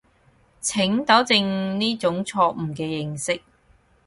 請糾正呢種錯誤嘅認識